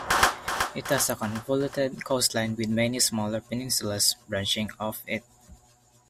It has a convoluted coastline, with many smaller peninsulas branching off it.